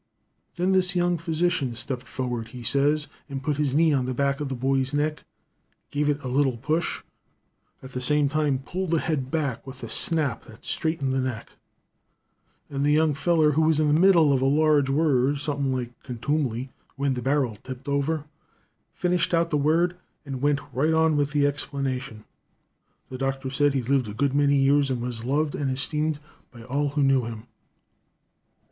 "Then this young physician stepped forward, he says, and put his knee on the back of the boy's neck, give it a little push, at the same time pulled the head back with a snap that straightened the neck, and the young feller, who was in the middle of a large word, something like 'contumely,' when the barrel tipped over, finished out the word and went right on with the explanation. The doctor said he lived a good many years, and was loved and esteemed by all who knew him.